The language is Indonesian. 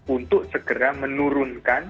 untuk segera menurunkan